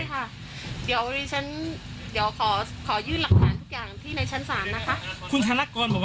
เดี๋ยวเดี๋ยวขอขอยืนรักษณะทุกอย่างที่ในชั้น๓นะคะ